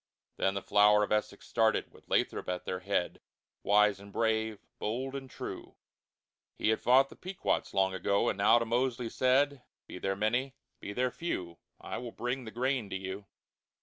Then the Flower of Essex started, with Lathrop at their head, Wise and brave, bold and true. He had fought the Pequots long ago, and now to Mosely said, "Be there Many, be there Few, I will bring the Grain to you."